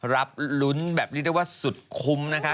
รับลุ้นแบบนี้ได้ว่าสุดคุ้มนะคะ